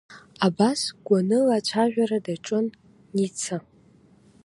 Абас гәаныла ацәажәара даҿын Ница.